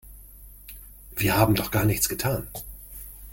Wir haben doch gar nichts getan.